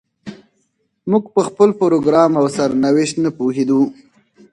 موږ په خپل پروګرام او سرنوشت نه پوهېدو.